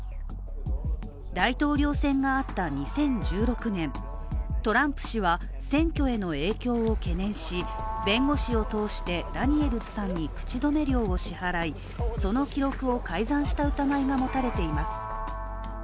大統領選があった２０１６年トランプ氏は選挙への影響を懸念し、弁護士を通してダニエルズさんに口止め料を支払い、その記録を改ざんした疑いがもたれています。